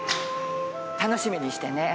楽しみにしてね。